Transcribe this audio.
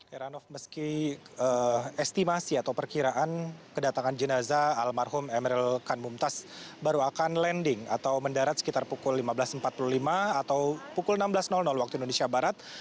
heranov meski estimasi atau perkiraan kedatangan jenazah almarhum emeril khan mumtaz baru akan landing atau mendarat sekitar pukul lima belas empat puluh lima atau pukul enam belas waktu indonesia barat